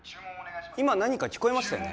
今何か聞こえましたよね？